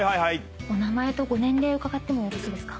お名前とご年齢伺ってもよろしいですか。